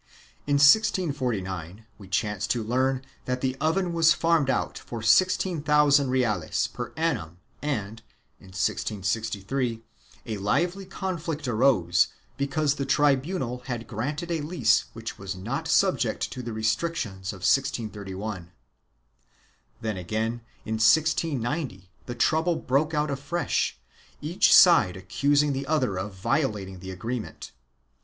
In 1649 we chance to learn that the oven was farmed out for six thousand reales per annum and, in 1663, a lively conflict arose because the tribunal had granted a lease which was not subject to the restrictions of 1631. Then again, in 1690, the trouble broke out afresh, each side accusing the other of violating the agreement.